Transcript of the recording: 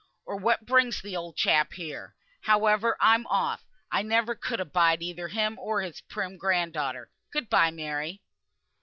or what brings the old chap here? However, I'm off; I never could abide either him or his prim grand daughter. Goodbye, Mary."